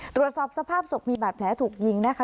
ตรวจสอบสภาพศพมีบาดแผลถูกยิงนะคะ